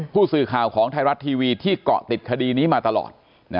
ผู้สื่อข่าวของไทยรัฐทีวีที่เกาะติดคดีนี้มาตลอด